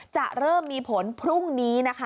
จะเริ่มมีผลพรุ่งนี้นะคะ